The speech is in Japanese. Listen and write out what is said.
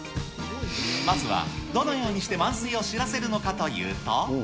まずは、どのようにして満水を知らせるのかというと。